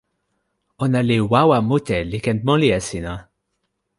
ona li wawa mute, li ken moli e sina!